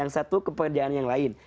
yang satu ke pekerjaan yang lain